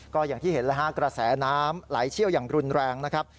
ก็อย่างที่เห็นแล้วฮะกระแสน้ำไหลเชี่ยวอย่างรุนแรงนะครับ